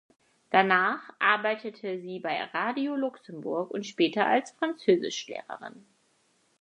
Danach arbeitete sie bei Radio Luxemburg und später als Französischlehrerin.